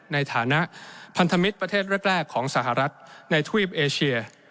ในฐานะพันธมิตรประเทศแรกของสหรัฐในทวีปเอเชีย